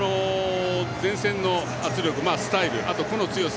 前線の圧力、スタイル、あと個の強さ。